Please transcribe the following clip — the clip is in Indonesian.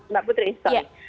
mbak putri sorry